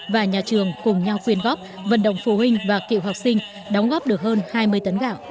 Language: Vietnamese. và nhà trường cùng nhau quyên góp vận động phụ huynh và cựu học sinh đóng góp được hơn hai mươi tấn gạo